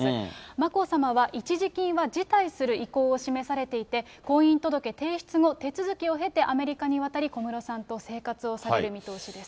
眞子さまは、一時金は辞退する意向を示されていて、婚姻届提出後、手続きを経て、アメリカに渡り、小室さんと生活をされる見通しです。